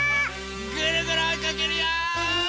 ぐるぐるおいかけるよ！